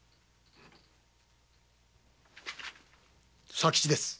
佐吉です！